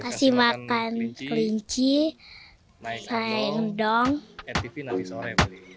kasih makan kelinci naik andong etv nanti sore